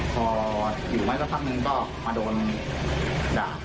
พออยู่ไว้สักพักนึงก็มาโดนด่า